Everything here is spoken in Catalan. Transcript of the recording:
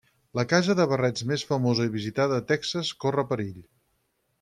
La casa de barrets més famosa i visitada de Texas corre perill.